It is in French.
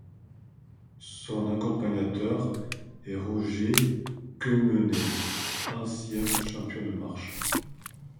Son accompagnateur est Roger Quemener, ancien champion de marche.